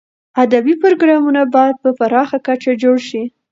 ادبي پروګرامونه باید په پراخه کچه جوړ شي.